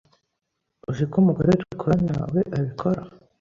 Uziko umugore dukorana we abikora